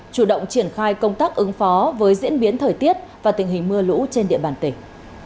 chủ động triển khai công tác ứng phó với diễn biến thời tiết và tình hình mưa lũ trên địa bàn tỉnh